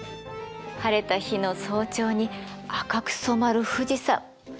晴れた日の早朝に赤く染まる富士山。